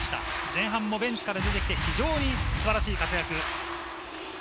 前半もベンチから出てきて、非常に素晴らしい活躍。